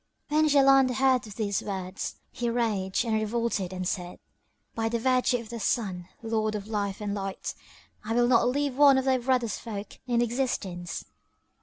When Jaland heard these words he raged and revolted and said, "By the virtue of the Sun, Lord of Life and Light, I will not leave one of thy brother's folk in existence!